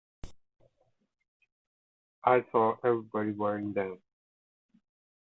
I saw everybody wearing them.